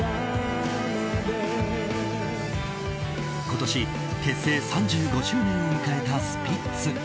今年、結成３５周年を迎えたスピッツ。